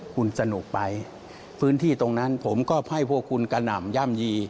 คุณสนุกไปพื้นที่ตรงนั้นผมก็ให้พวกคุณกระหน่ำย่ำยี